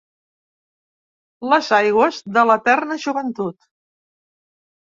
Les aigües de l’eterna joventut.